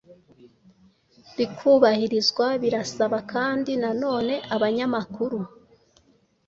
rikubahirizwa. Birasaba kandi nanone abanyamakuru